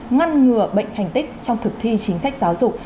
ngăn ngừa bệnh thành tích trong thực thi chính sách giáo dục